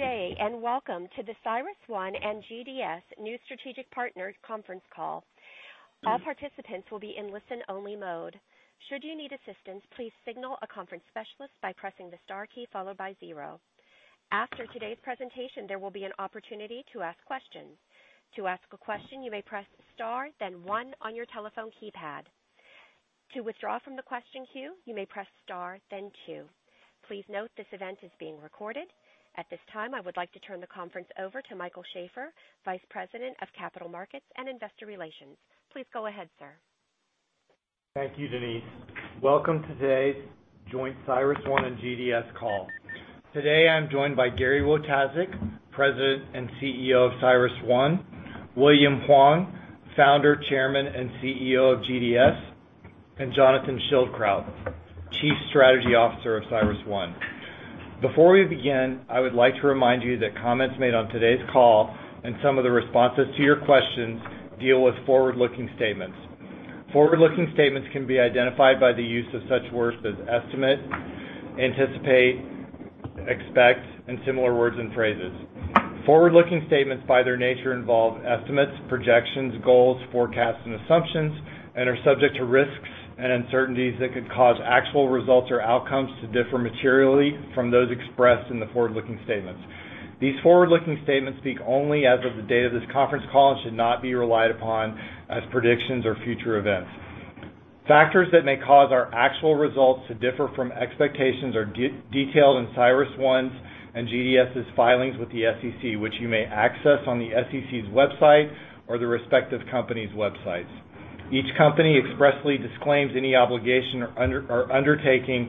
Good day, and welcome to the CyrusOne and GDS New Strategic Partners conference call. All participants will be in listen-only mode. Should you need assistance, please signal a conference specialist by pressing the star key followed by zero. After today's presentation, there will be an opportunity to ask questions. To ask a question, you may press star, then one on your telephone keypad. To withdraw from the question queue, you may press star then two. Please note this event is being recorded. At this time, I would like to turn the conference over to Michael Schafer, Vice President of Capital Markets and Investor Relations. Please go ahead, sir. Thank you, Denise. Welcome today's joint CyrusOne and GDS call. Today I'm joined by Gary Wojtaszek, President and CEO of CyrusOne, William Huang, Founder, Chairman, and CEO of GDS, and Jonathan Schildkraut, Chief Strategy Officer of CyrusOne. Before we begin, I would like to remind you that comments made on today's call and some of the responses to your questions deal with forward-looking statements. Forward-looking statements can be identified by the use of such words as estimate, anticipate, expect, and similar words and phrases. Forward-looking statements by their nature involve estimates, projections, goals, forecasts, and assumptions, and are subject to risks and uncertainties that could cause actual results or outcomes to differ materially from those expressed in the forward-looking statements. These forward-looking statements speak only as of the date of this conference call and should not be relied upon as predictions or future events. Factors that may cause our actual results to differ from expectations are detailed in CyrusOne's and GDS' filings with the SEC, which you may access on the SEC's website or the respective company's websites. Each company expressly disclaims any obligation or undertaking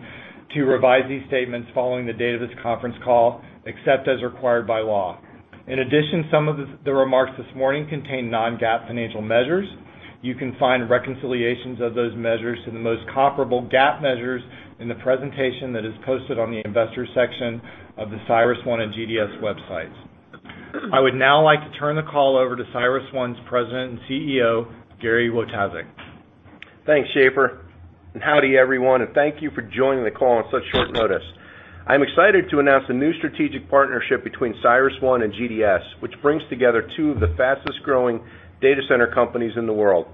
to revise these statements following the date of this conference call, except as required by law. In addition, some of the remarks this morning contain non-GAAP financial measures. You can find reconciliations of those measures to the most comparable GAAP measures in the presentation that is posted on the investor section of the CyrusOne and GDS websites. I would now like to turn the call over to CyrusOne's President and CEO, Gary Wojtaszek. Thanks, Schaefer, and howdy, everyone, and thank you for joining the call on such short notice. I'm excited to announce a new strategic partnership between CyrusOne and GDS, which brings together two of the fastest-growing data center companies in the world.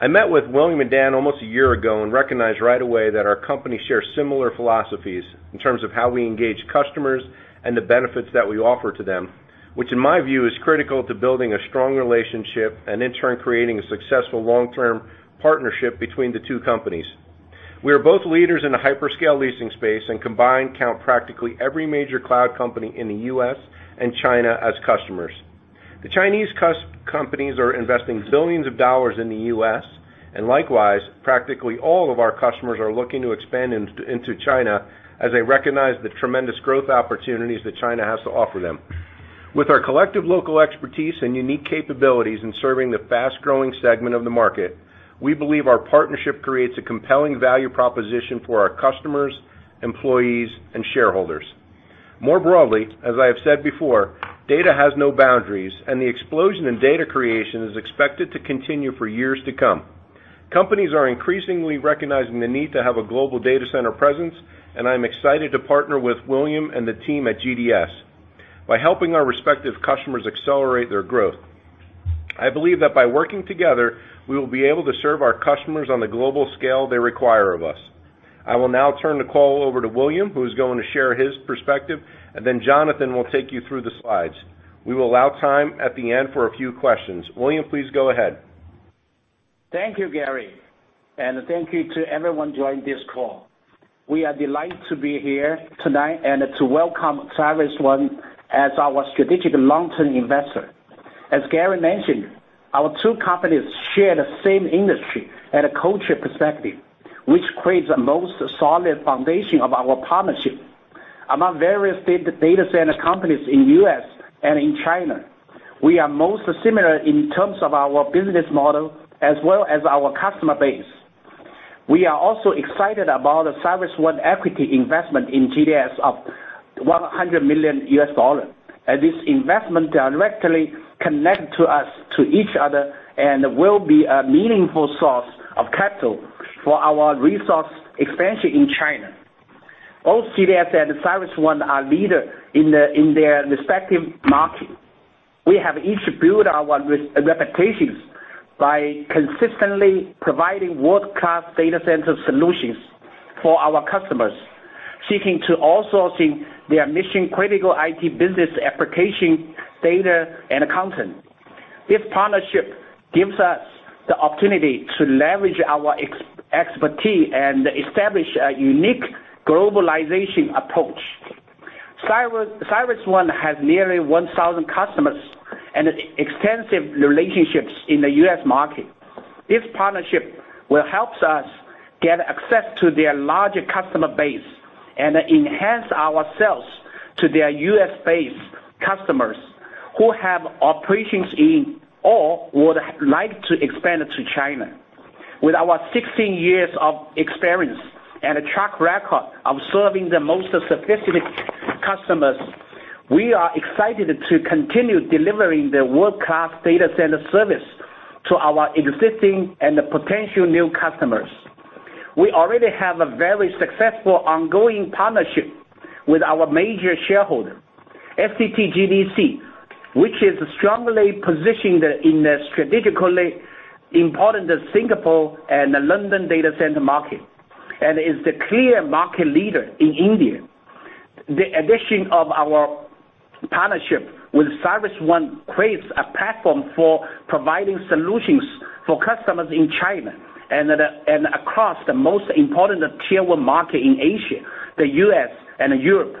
I met with William and Dan almost a year ago and recognized right away that our company shares similar philosophies in terms of how we engage customers and the benefits that we offer to them, which in my view is critical to building a strong relationship and in turn creating a successful long-term partnership between the two companies. We are both leaders in the hyperscale leasing space and combined count practically every major cloud company in the U.S. and China as customers. The Chinese companies are investing billions of dollars in the U.S., and likewise, practically all of our customers are looking to expand into China as they recognize the tremendous growth opportunities that China has to offer them. With our collective local expertise and unique capabilities in serving the fast-growing segment of the market, we believe our partnership creates a compelling value proposition for our customers, employees, and shareholders. More broadly, as I have said before, data has no boundaries and the explosion in data creation is expected to continue for years to come. Companies are increasingly recognizing the need to have a global data center presence, I'm excited to partner with William and the team at GDS by helping our respective customers accelerate their growth. I believe that by working together, we will be able to serve our customers on the global scale they require of us. I will now turn the call over to William, who's going to share his perspective, Jonathan will take you through the slides. We will allow time at the end for a few questions. William, please go ahead. Thank you, Gary, thank you to everyone joining this call. We are delighted to be here tonight and to welcome CyrusOne as our strategic long-term investor. As Gary mentioned, our two companies share the same industry and culture perspective, which creates a most solid foundation of our partnership. Among various data center companies in U.S. and in China, we are most similar in terms of our business model as well as our customer base. We are also excited about the CyrusOne equity investment in GDS of $100 million. This investment directly connect to us to each other will be a meaningful source of capital for our resource expansion in China. Both GDS and CyrusOne are leader in their respective market. We have each built our reputations by consistently providing world-class data center solutions for our customers seeking to outsourcing their mission-critical IT business application data and content. This partnership gives us the opportunity to leverage our expertise and establish a unique globalization approach. CyrusOne has nearly 1,000 customers and extensive relationships in the U.S. market. This partnership will help us get access to their larger customer base enhance ourselves to their U.S.-based customers who have operations in or would like to expand to China. With our 16 years of experience and a track record of serving the most sophisticated customers, we are excited to continue delivering the world-class data center service to our existing and potential new customers. We already have a very successful ongoing partnership with our major shareholder, STT GDC, which is strongly positioned in the strategically important Singapore and the London data center market and is the clear market leader in India. The addition of our partnership with CyrusOne creates a platform for providing solutions for customers in China and across the most important tier 1 market in Asia, the U.S., and Europe,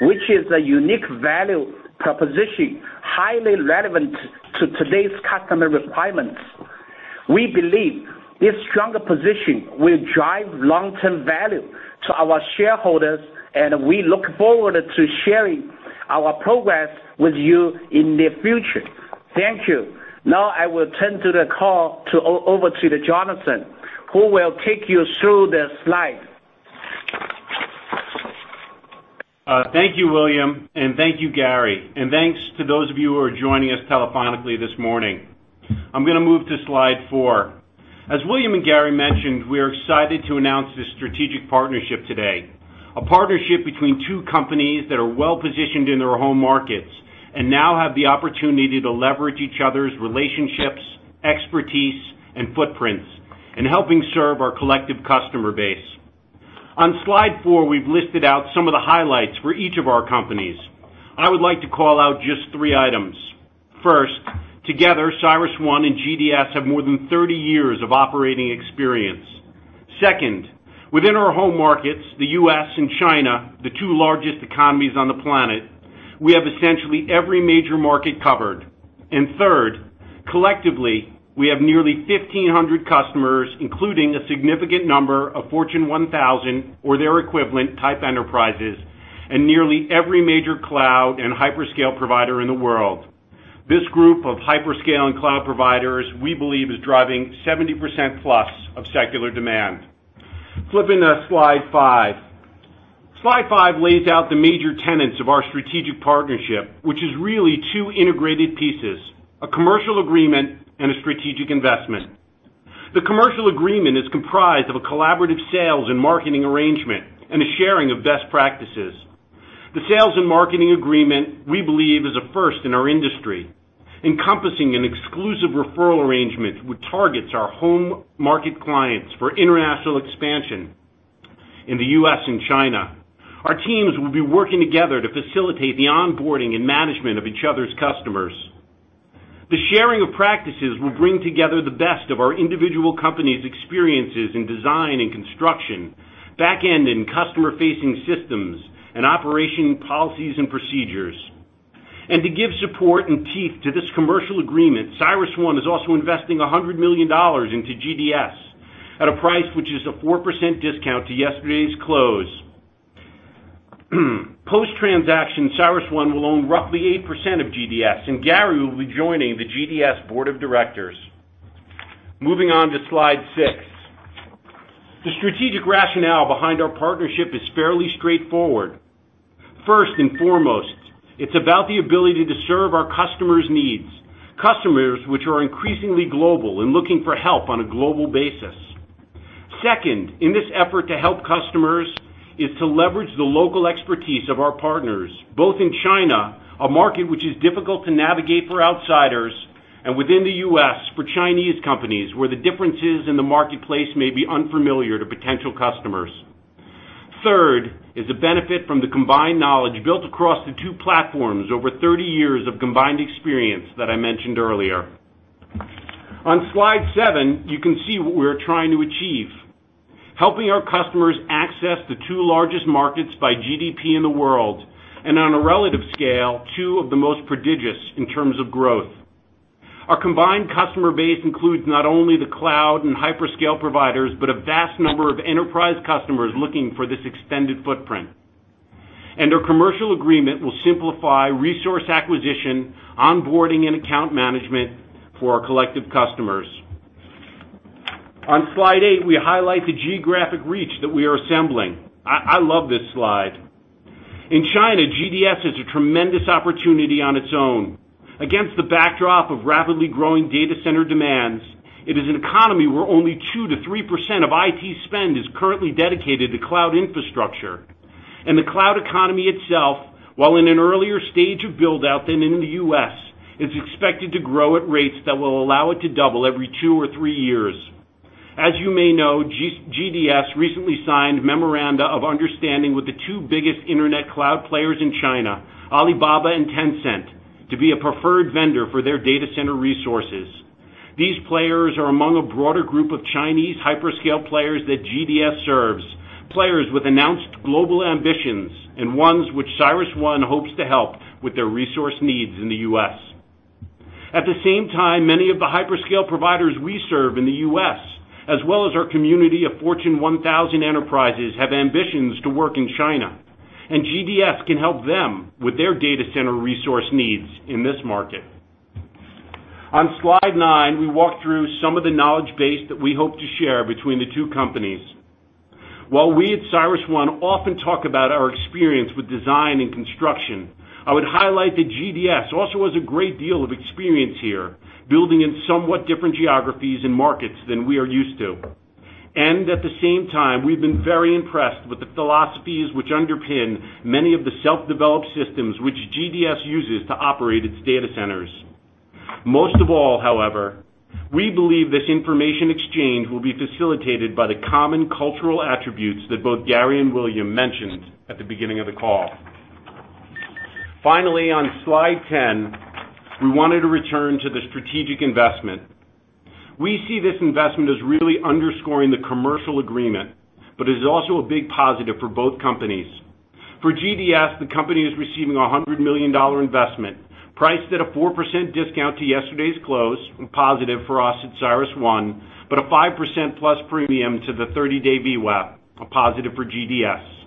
which is a unique value proposition, highly relevant to today's customer requirements. We believe this stronger position will drive long-term value to our shareholders, and we look forward to sharing our progress with you in the future. Thank you. Now I will turn the call over to Jonathan, who will take you through the slides. Thank you, William, and thank you, Gary. Thanks to those of you who are joining us telephonically this morning. I'm going to move to slide four. As William and Gary mentioned, we are excited to announce this strategic partnership today. A partnership between two companies that are well-positioned in their home markets, and now have the opportunity to leverage each other's relationships, expertise, and footprints in helping serve our collective customer base. On slide four, we've listed out some of the highlights for each of our companies. I would like to call out just three items. First, together, CyrusOne and GDS have more than 30 years of operating experience. Second, within our home markets, the U.S. and China, the two largest economies on the planet, we have essentially every major market covered. Third, collectively, we have nearly 1,500 customers, including a significant number of Fortune 1000 or their equivalent type enterprises, and nearly every major cloud and hyperscale provider in the world. This group of hyperscale and cloud providers, we believe, is driving 70%+ of secular demand. Flipping to slide five. Slide five lays out the major tenets of our strategic partnership, which is really two integrated pieces, a commercial agreement and a strategic investment. The commercial agreement is comprised of a collaborative sales and marketing arrangement and a sharing of best practices. The sales and marketing agreement, we believe, is a first in our industry, encompassing an exclusive referral arrangement which targets our home market clients for international expansion in the U.S. and China. Our teams will be working together to facilitate the onboarding and management of each other's customers. The sharing of practices will bring together the best of our individual companies' experiences in design and construction, backend and customer-facing systems, and operation policies and procedures. To give support and teeth to this commercial agreement, CyrusOne is also investing $100 million into GDS at a price which is a 4% discount to yesterday's close. Post-transaction, CyrusOne will own roughly 8% of GDS, and Gary will be joining the GDS board of directors. Moving on to slide six. The strategic rationale behind our partnership is fairly straightforward. First and foremost, it's about the ability to serve our customers' needs, customers which are increasingly global and looking for help on a global basis. Second, in this effort to help customers is to leverage the local expertise of our partners, both in China, a market which is difficult to navigate for outsiders, and within the U.S. for Chinese companies, where the differences in the marketplace may be unfamiliar to potential customers. Third, is the benefit from the combined knowledge built across the 2 platforms over 30 years of combined experience that I mentioned earlier. On slide seven, you can see what we are trying to achieve. Helping our customers access the 2 largest markets by GDP in the world, and on a relative scale, 2 of the most prodigious in terms of growth. Our combined customer base includes not only the cloud and hyperscale providers, but a vast number of enterprise customers looking for this extended footprint. Our commercial agreement will simplify resource acquisition, onboarding, and account management for our collective customers. On slide eight, we highlight the geographic reach that we are assembling. I love this slide. In China, GDS is a tremendous opportunity on its own. Against the backdrop of rapidly growing data center demands, it is an economy where only 2%-3% of IT spend is currently dedicated to cloud infrastructure. The cloud economy itself, while in an earlier stage of build-out than in the U.S., is expected to grow at rates that will allow it to double every two or three years. As you may know, GDS recently signed memoranda of understanding with the two biggest internet cloud players in China, Alibaba and Tencent, to be a preferred vendor for their data center resources. These players are among a broader group of Chinese hyperscale players that GDS serves, players with announced global ambitions and ones which CyrusOne hopes to help with their resource needs in the U.S. At the same time, many of the hyperscale providers we serve in the U.S., as well as our community of Fortune 1000 enterprises, have ambitions to work in China, GDS can help them with their data center resource needs in this market. On slide nine, we walk through some of the knowledge base that we hope to share between the two companies. While we at CyrusOne often talk about our experience with design and construction, I would highlight that GDS also has a great deal of experience here, building in somewhat different geographies and markets than we are used to. At the same time, we've been very impressed with the philosophies which underpin many of the self-developed systems which GDS uses to operate its data centers. Most of all, however, we believe this information exchange will be facilitated by the common cultural attributes that both Gary and William mentioned at the beginning of the call. Finally, on slide 10, we wanted to return to the strategic investment. We see this investment as really underscoring the commercial agreement, but is also a big positive for both companies. For GDS, the company is receiving a $100 million investment, priced at a 4% discount to yesterday's close, a positive for us at CyrusOne, but a 5% plus premium to the 30-day VWAP, a positive for GDS.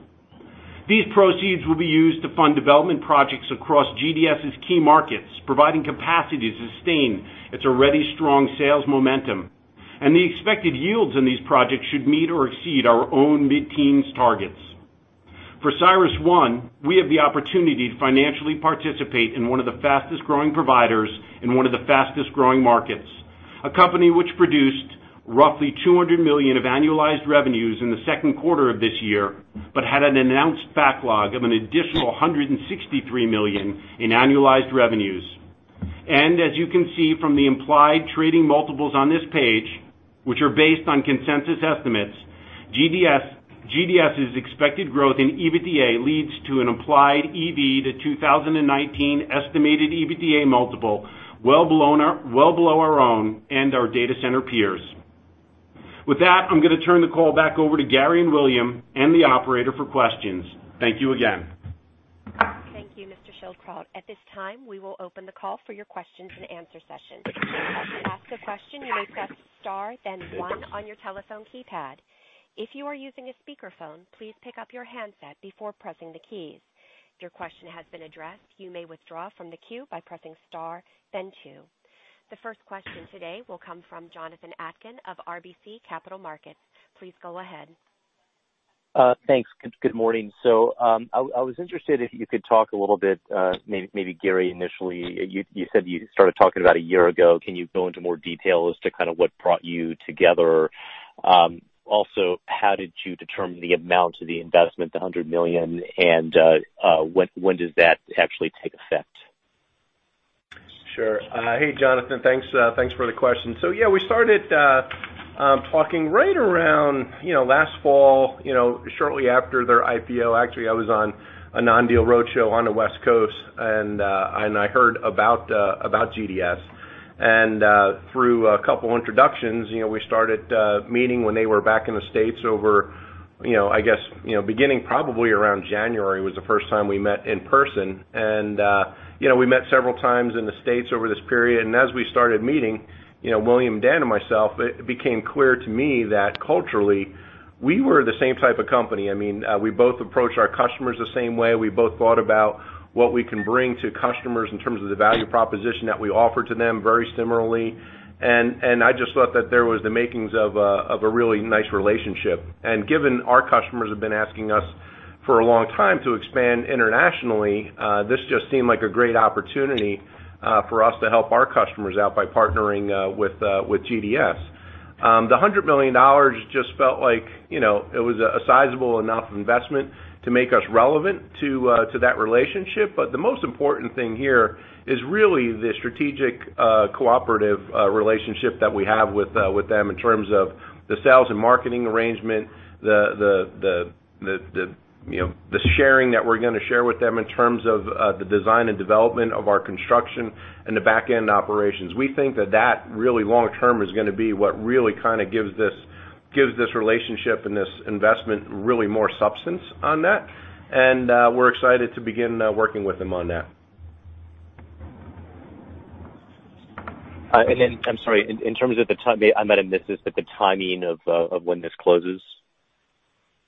These proceeds will be used to fund development projects across GDS's key markets, providing capacity to sustain its already strong sales momentum, the expected yields on these projects should meet or exceed our own mid-teens targets. For CyrusOne, we have the opportunity to financially participate in one of the fastest-growing providers in one of the fastest-growing markets. A company which produced roughly 200 million of annualized revenues in the second quarter of this year, but had an announced backlog of an additional 163 million in annualized revenues. As you can see from the implied trading multiples on this page, which are based on consensus estimates, GDS's expected growth in EBITDA leads to an implied EV to 2019 estimated EBITDA multiple well below our own and our data center peers. With that, I'm going to turn the call back over to Gary and William and the operator for questions. Thank you again. Thank you, Mr. Schildkraut. At this time, we will open the call for your questions and answer session. To ask a question, you may press star then one on your telephone keypad. If you are using a speakerphone, please pick up your handset before pressing the keys. If your question has been addressed, you may withdraw from the queue by pressing star then two. The first question today will come from Jonathan Atkin of RBC Capital Markets. Please go ahead. Thanks. Good morning. I was interested if you could talk a little bit, maybe Gary, initially. You said you started talking about a year ago. Can you go into more detail as to what brought you together? Also, how did you determine the amount of the investment, the 100 million, and when does that actually take effect? Sure. Hey, Jonathan, thanks for the question. Yeah, we started talking right around last fall, shortly after their IPO. Actually, I was on a non-deal roadshow on the West Coast, and I heard about GDS. Through a couple introductions, we started meeting when they were back in the States over, I guess, beginning probably around January was the first time we met in person. We met several times in the States over this period. As we started meeting, William, Dan, and myself, it became clear to me that culturally, we were the same type of company. We both approach our customers the same way. We both thought about what we can bring to customers in terms of the value proposition that we offer to them very similarly. I just thought that there was the makings of a really nice relationship. Given our customers have been asking us for a long time to expand internationally, this just seemed like a great opportunity for us to help our customers out by partnering with GDS. The CNY 100 million just felt like it was a sizable enough investment to make us relevant to that relationship. The most important thing here is really the strategic cooperative relationship that we have with them in terms of the sales and marketing arrangement, the sharing that we're going to share with them in terms of the design and development of our construction, and the back-end operations. We think that that really long-term is going to be what really gives this relationship and this investment really more substance on that, we're excited to begin working with them on that. I'm sorry, in terms of the time I might have missed this, the timing of when this closes.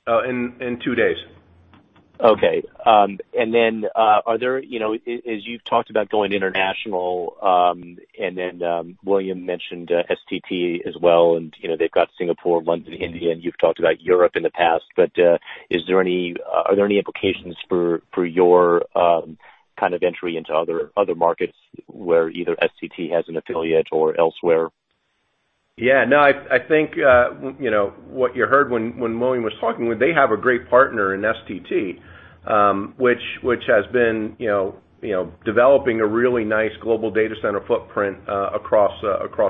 In two days. Okay. As you've talked about going international, William mentioned STT as well. They've got Singapore, London, India. You've talked about Europe in the past. Are there any implications for your entry into other markets where either STT has an affiliate or elsewhere? Yeah. No, I think what you heard when William was talking, they have a great partner in STT which has been developing a really nice global data center footprint across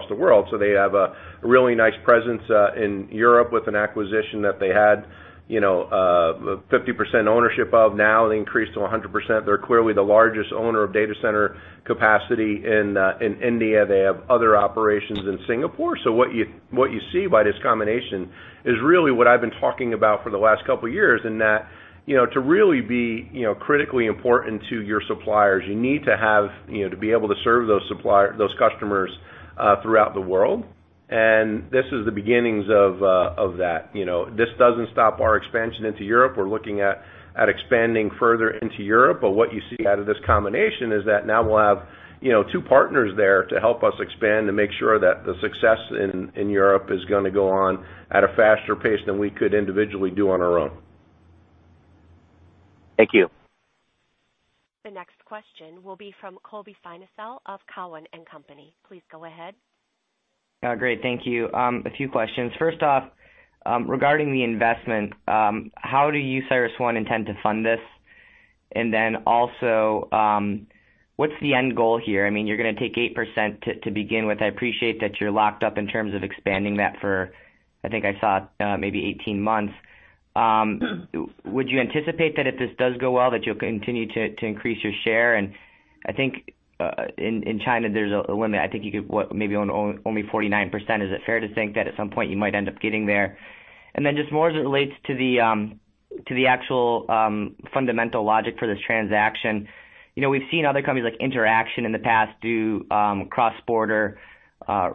the world. They have a really nice presence in Europe with an acquisition that they had 50% ownership of. Now they increased to 100%. They're clearly the largest owner of data center capacity in India. They have other operations in Singapore. What you see by this combination is really what I've been talking about for the last couple of years, that to really be critically important to your suppliers, you need to be able to serve those customers throughout the world. This is the beginnings of that. This doesn't stop our expansion into Europe. We're looking at expanding further into Europe. What you see out of this combination is that now we'll have two partners there to help us expand and make sure that the success in Europe is going to go on at a faster pace than we could individually do on our own. Thank you. The next question will be from Colby Synesael of Cowen and Company. Please go ahead. Great. Thank you. A few questions. First off, regarding the investment, how do you, CyrusOne, intend to fund this? What's the end goal here? You're going to take 8% to begin with. I appreciate that you're locked up in terms of expanding that for, I think I saw, maybe 18 months. Would you anticipate that if this does go well, that you'll continue to increase your share? I think in China, there's a limit. I think you could maybe own only 49%. Is it fair to think that at some point you might end up getting there? Just more as it relates to the actual fundamental logic for this transaction. We've seen other companies like Interxion in the past do cross-border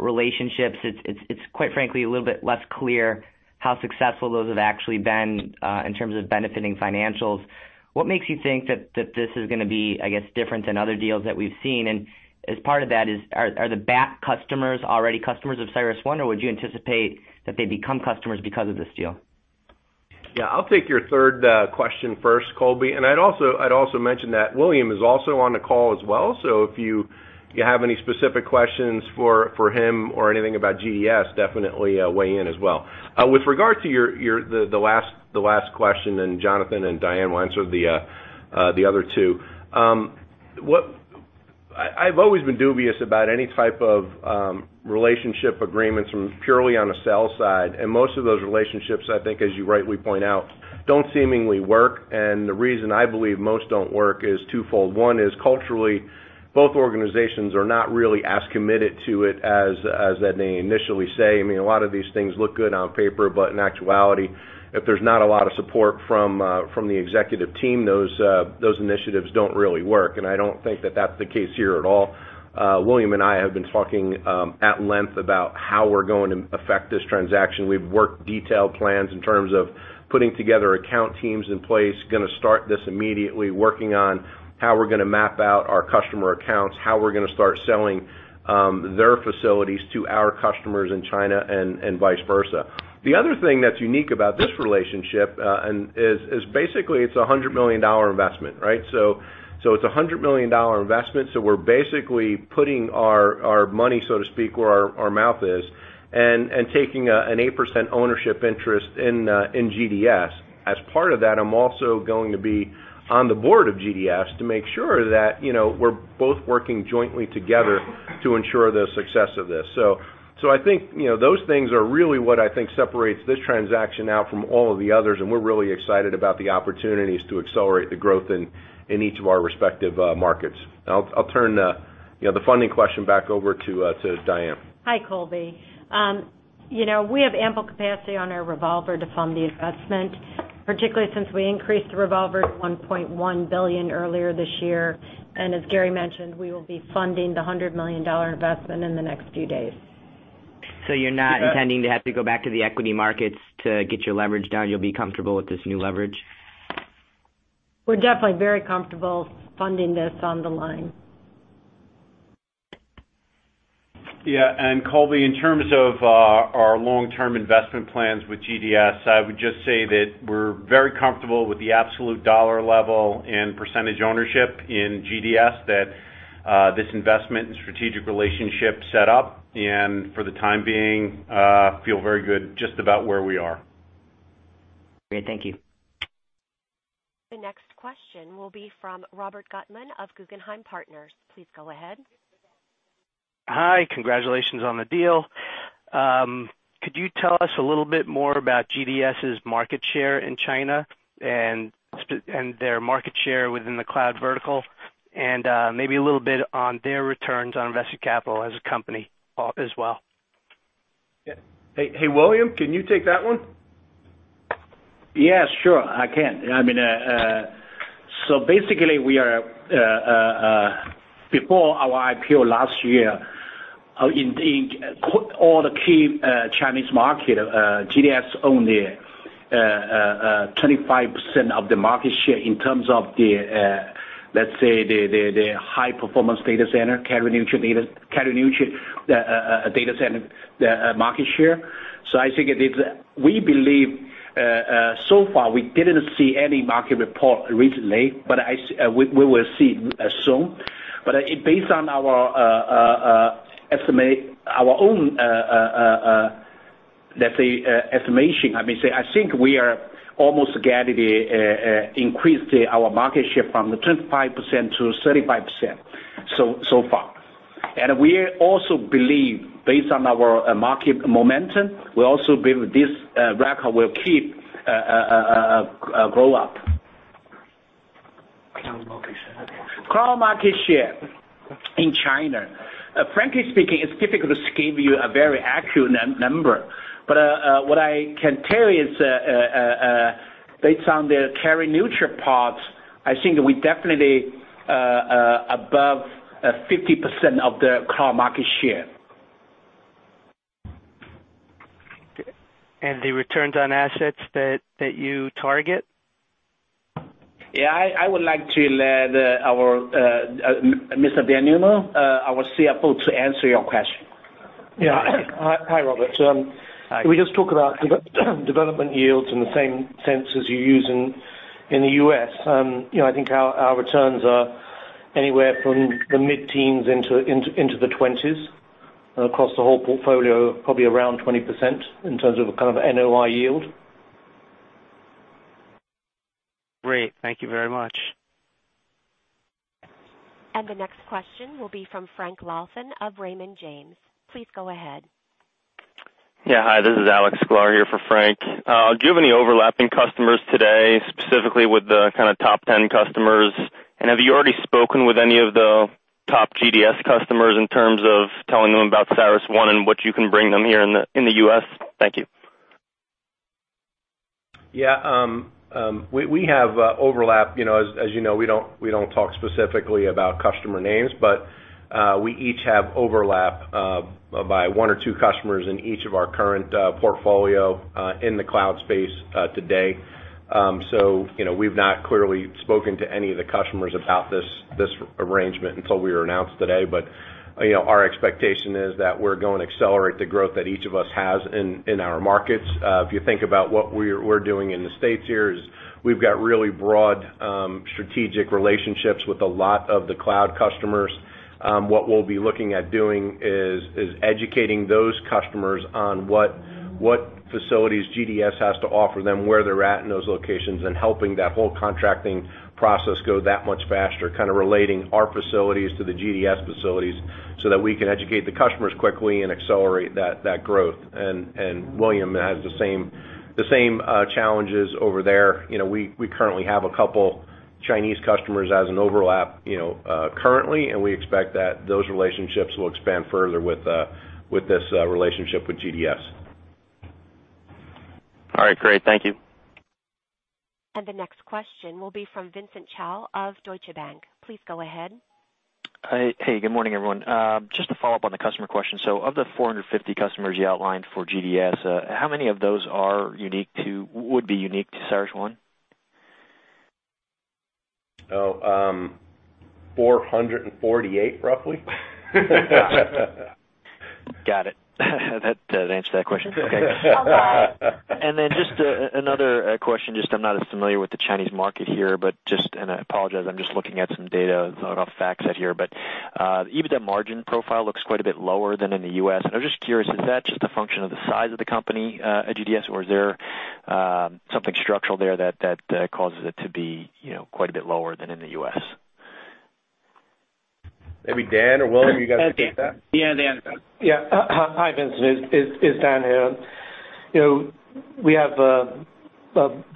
relationships. It's quite frankly, a little bit less clear how successful those have actually been in terms of benefiting financials. What makes you think that this is going to be different than other deals that we've seen? As part of that, are the BAT customers already customers of CyrusOne, or would you anticipate that they become customers because of this deal? Yeah, I'll take your third question first, Colby. I'd also mention that William is also on the call as well, so if you have any specific questions for him or anything about GDS, definitely weigh in as well. With regard to the last question, and Jonathan and Diane will answer the other two. I've always been dubious about any type of relationship agreements from purely on a sales side. Most of those relationships, I think, as you rightly point out, don't seemingly work. The reason I believe most don't work is twofold. One is culturally, both organizations are not really as committed to it as they initially say. A lot of these things look good on paper, but in actuality, if there's not a lot of support from the executive team, those initiatives don't really work. I don't think that that's the case here at all. William and I have been talking at length about how we're going to affect this transaction. We've worked detailed plans in terms of putting together account teams in place, going to start this immediately, working on how we're going to map out our customer accounts, how we're going to start selling their facilities to our customers in China, and vice versa. The other thing that's unique about this relationship, is basically it's a CNY 100 million investment. It's a CNY 100 million investment, so we're basically putting our money, so to speak, where our mouth is, and taking an 8% ownership interest in GDS. As part of that, I'm also going to be on the board of GDS to make sure that we're both working jointly together to ensure the success of this. I think those things are really what separates this transaction now from all of the others, and we're really excited about the opportunities to accelerate the growth in each of our respective markets. I'll turn the funding question back over to Diane. Hi, Colby. We have ample capacity on our revolver to fund the investment, particularly since we increased the revolver to 1.1 billion earlier this year. As Gary mentioned, we will be funding the CNY 100 million investment in the next few days. You're not intending to have to go back to the equity markets to get your leverage down? You'll be comfortable with this new leverage? We're definitely very comfortable funding this on the line. Colby, in terms of our long-term investment plans with GDS, I would just say that we're very comfortable with the absolute dollar level and percentage ownership in GDS that this investment and strategic relationship set up. For the time being, feel very good just about where we are. Great. Thank you. The next question will be from Robert Gutman of Guggenheim Partners. Please go ahead. Hi. Congratulations on the deal. Could you tell us a little bit more about GDS's market share in China and their market share within the cloud vertical, and maybe a little bit on their returns on invested capital as a company as well? Hey, William, can you take that one? Basically, before our IPO last year, in all the key Chinese market, GDS owned 25% of the market share in terms of the high-performance data center, carrier-neutral data center market share. I think that we believe so far we didn't see any market report recently, but we will see soon. Based on our own estimation, I think we are almost gathering increased our market share from the 25% to 35% so far. We also believe based on our market momentum, this record will keep going up. Cloud market share in China, frankly speaking, it's difficult to give you a very accurate number. What I can tell you is, based on their carrier-neutral parts, I think we're definitely above 50% of the cloud market share. The returns on assets that you target? Yeah, I would like to let our Mr. Daniel Newman, our CFO, to answer your question. Yeah. Hi, Robert. Hi. Can we just talk about development yields in the same sense as you use in the U.S.? I think our returns are anywhere from the mid-teens into the twenties. Across the whole portfolio, probably around 20% in terms of an NOI yield. Great. Thank you very much. The next question will be from Frank Louthan of Raymond James. Please go ahead. Yeah. Hi, this is Alexander Sklar here for Frank. Do you have any overlapping customers today, specifically with the kind of top 10 customers? Have you already spoken with any of the top GDS customers in terms of telling them about CyrusOne and what you can bring them here in the U.S.? Thank you. Yeah. We have overlap. As you know, we don't talk specifically about customer names, but we each have overlap by one or two customers in each of our current portfolio in the cloud space today. We've not clearly spoken to any of the customers about this arrangement until we were announced today. Our expectation is that we're going to accelerate the growth that each of us has in our markets. If you think about what we're doing in the States here is we've got really broad strategic relationships with a lot of the cloud customers. What we'll be looking at doing is educating those customers on what facilities GDS has to offer them, where they're at in those locations, and helping that whole contracting process go that much faster, kind of relating our facilities to the GDS facilities so that we can educate the customers quickly and accelerate that growth. William has the same challenges over there. We currently have a couple Chinese customers as an overlap currently, and we expect that those relationships will expand further with this relationship with GDS. All right, great. Thank you. The next question will be from Vincent Chow of Deutsche Bank. Please go ahead. Hey, good morning, everyone. Just to follow up on the customer question. Of the 450 customers you outlined for GDS, how many of those would be unique to CyrusOne? 448, roughly. Got it. That answered that question. Okay. Just another question, I am not as familiar with the Chinese market here, but, I apologize, I am just looking at some data off FactSet here. Even the margin profile looks quite a bit lower than in the U.S. I am just curious, is that just a function of the size of the company, GDS, or is there something structural there that causes it to be quite a bit lower than in the U.S.? Maybe Dan or William, you guys can take that. Yeah, Dan. Yeah. Hi, Vincent. It's Dan here. We have a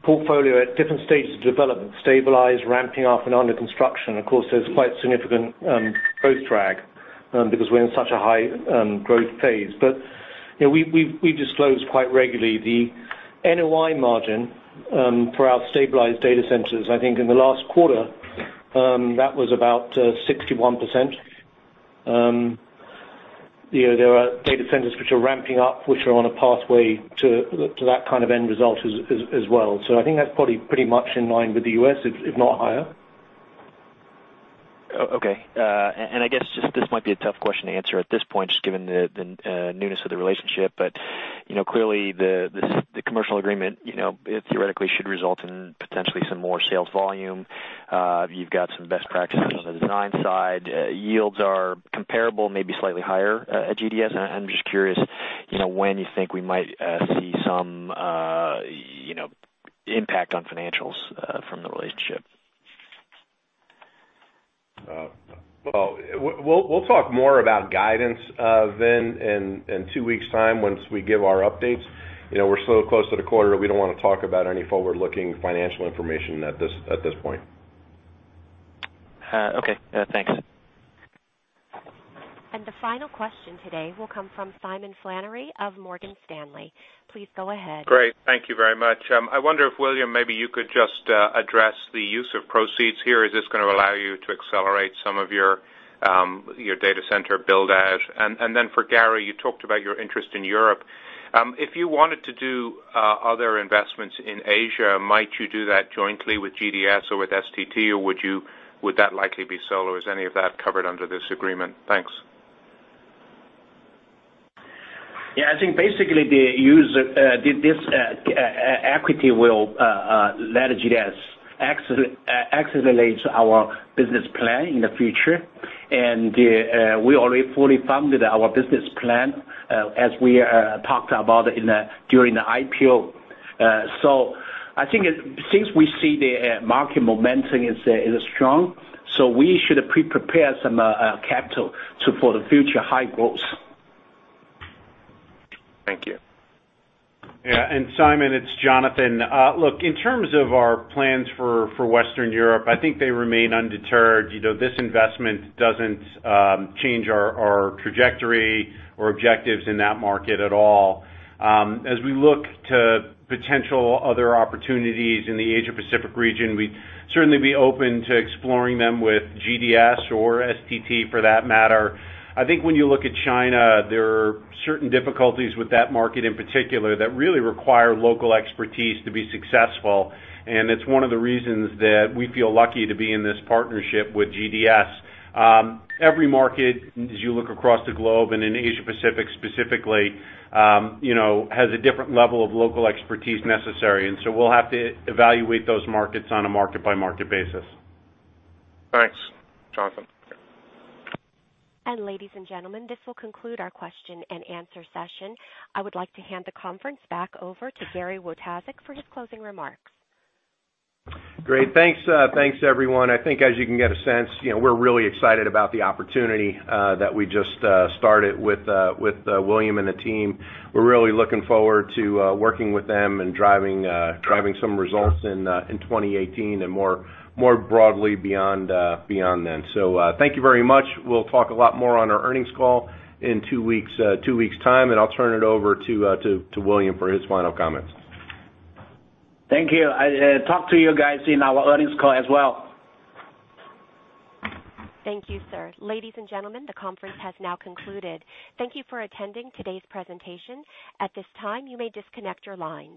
portfolio at different stages of development, stabilized, ramping up, and under construction. Of course, there's quite significant growth drag because we're in such a high growth phase. We disclose quite regularly the NOI margin for our stabilized data centers. I think in the last quarter, that was about 61%. There are data centers which are ramping up, which are on a pathway to that kind of end result as well. I think that's probably pretty much in line with the U.S., if not higher. Okay. I guess just, this might be a tough question to answer at this point, just given the newness of the relationship, clearly the commercial agreement, it theoretically should result in potentially some more sales volume. You've got some best practices on the design side. Yields are comparable, maybe slightly higher at GDS. I'm just curious, when you think we might see some impact on financials from the relationship. Well, we'll talk more about guidance in two weeks' time once we give our updates. We're so close to the quarter that we don't want to talk about any forward-looking financial information at this point. Okay. Thanks. The final question today will come from Simon Flannery of Morgan Stanley. Please go ahead. Great. Thank you very much. I wonder if, William, maybe you could just address the use of proceeds here. Is this going to allow you to accelerate some of your data center build out? Then for Gary, you talked about your interest in Europe. If you wanted to do other investments in Asia, might you do that jointly with GDS or with STT, or would that likely be solo? Is any of that covered under this agreement? Thanks. I think basically this equity will let GDS accelerate our business plan in the future. We already fully funded our business plan, as we talked about during the IPO. I think since we see the market momentum is strong, we should pre-prepare some capital for the future high growth. Thank you. Yeah. Simon, it's Jonathan. Look, in terms of our plans for Western Europe, I think they remain undeterred. This investment doesn't change our trajectory or objectives in that market at all. As we look to potential other opportunities in the Asia Pacific region, we'd certainly be open to exploring them with GDS or STT for that matter. I think when you look at China, there are certain difficulties with that market in particular that really require local expertise to be successful, and it's one of the reasons that we feel lucky to be in this partnership with GDS. Every market, as you look across the globe and in Asia Pacific specifically, has a different level of local expertise necessary, we'll have to evaluate those markets on a market-by-market basis. Thanks, Jonathan. Ladies and gentlemen, this will conclude our question and answer session. I would like to hand the conference back over to Gary Wojtaszek for his closing remarks. Great. Thanks, everyone. I think as you can get a sense, we're really excited about the opportunity that we just started with William and the team. We're really looking forward to working with them and driving some results in 2018 and more broadly beyond then. Thank you very much. We'll talk a lot more on our earnings call in two weeks' time, I'll turn it over to William for his final comments. Thank you. I'll talk to you guys in our earnings call as well. Thank you, sir. Ladies and gentlemen, the conference has now concluded. Thank you for attending today's presentation. At this time, you may disconnect your lines.